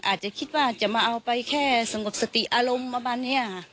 อาจจะคิดว่าจะมาเอาไปแค่สงบสติอารมณ์มาบรรเวีย